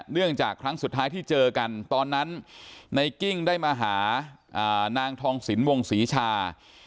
เรื่องจากครั้งสุดท้ายที่เจอกันตอนนั้นในกิ้งได้มาหานางทองสินวงศรีชา